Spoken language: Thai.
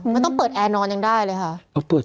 ไม่ต้องเปิดแอร์นอนยังได้เลยค่ะ